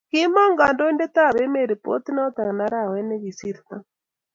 Kiimong kandoindet ab ememt ripotit noto arawet ne kisirtoi